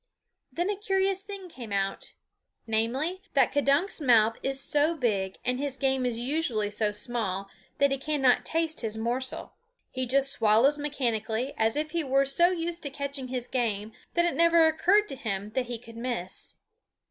Then a curious thing came out, namely, that K'dunk's mouth is so big and his game is usually so small that he cannot taste his morsel; he just swallows mechanically, as if he were so used to catching his game that it never occurred to him that he could miss.